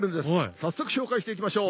早速紹介して行きましょう！